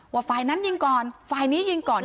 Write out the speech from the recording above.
ฝ่ายนั้นยิงก่อนฝ่ายนี้ยิงก่อน